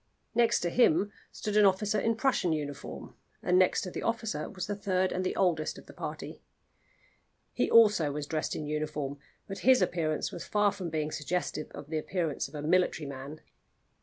Next to him stood an officer in Prussian uniform, and next to the officer was the third and the oldest of the party. He also was dressed in uniform, but his appearance was far from being suggestive of the appearance of a military man.